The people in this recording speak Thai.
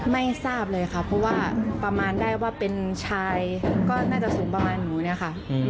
ไม่ทราบเลยค่ะเพราะว่าประมาณได้ว่าเป็นชายก็น่าจะสูงประมาณหนูเนี่ยค่ะ